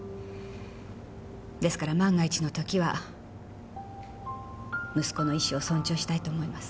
ですから万が一の時は息子の意思を尊重したいと思います。